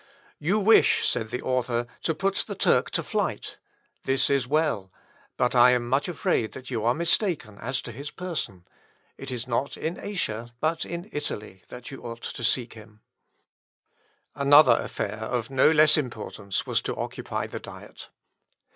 "You wish," said the author, "to put the Turk to flight. This is well; but I am much afraid that you are mistaken as to his person. It is not in Asia, but in Italy, that you ought to seek him." Schröck, K. Gesch. n. d. R. i, p. 156. Another affair of no less importance was to occupy the Diet.